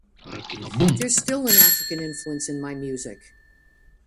There's still an African influence in my music.